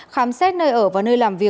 khám xét nơi ở và nơi làm